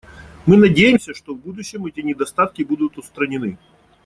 Мы надеемся, что в будущем эти недостатки будут устранены.